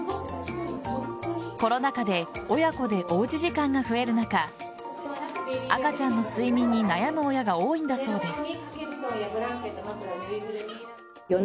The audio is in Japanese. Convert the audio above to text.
コロナ禍で親子でおうち時間が増える中赤ちゃんの睡眠に悩む親が多いんだそうです。